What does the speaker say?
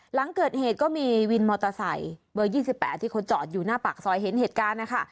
หลังเกิดเหตุก็มีวินมอเตอร์ไซค์เบอร์๒๘ที่เขาจอดอยู่หน้าปากซอยเห็นเหตุการณ์นะคะ